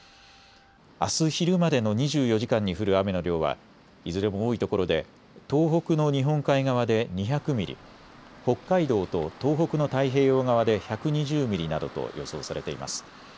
あす昼までの２４時間に降る雨の量はいずれも多いところで東北の日本海側で２００ミリ、北海道と東北の太平洋側で１２０ミリなどと予想されています。